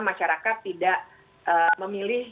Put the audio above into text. masyarakat tidak memilih